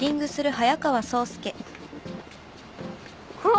あっ！